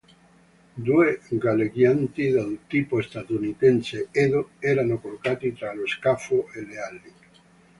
Due galleggianti, del tipo statunitense Edo, erano collocati tra lo scafo e le ali.